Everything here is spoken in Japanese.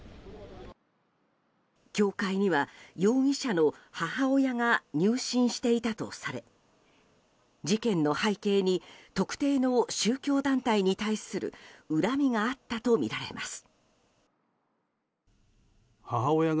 教会には容疑者の母親が入信していたとされ事件の背景に特定の宗教団体に対する恨みがあったとみられます。